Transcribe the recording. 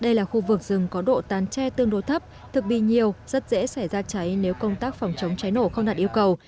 đây là khu vực rừng có độ tán tre tương đối thấp thực bị nhiều rất dễ xảy ra cháy nếu công tác phòng chống cháy nổ không đạt yêu cầu